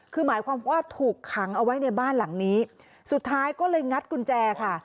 คือหมายความว่าถูกขังเอาไว้ในบ้านหลังนี้สุดท้ายก็เลยงัดกุญแจค่ะ